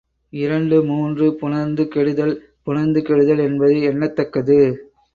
இரண்டு மூன்று புணர்ந்து கெடுதல் புணர்ந்து கெடுதல் என்பது எண்ணத்தக்கது.